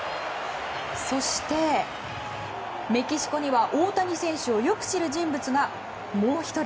そして、メキシコには大谷選手をよく知る人物がもう１人。